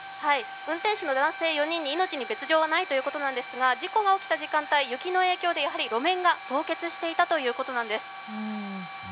運転手の男性の命に別状はないということですが、事故が起きた時間帯、雪の影響でやはり路面が凍結していたということなんです。